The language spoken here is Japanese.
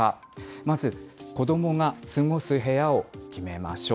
まず子どもが過ごす部屋を決めましょう。